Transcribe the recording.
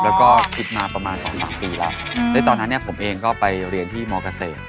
แล้วก็คิดมาประมาณสองสามปีแล้วซึ่งตอนนั้นเนี่ยผมเองก็ไปเรียนที่มเกษตร